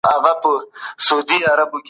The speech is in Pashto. ولي فرهنګي ارزښتونه مهم دي؟